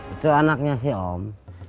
itu anaknya sih om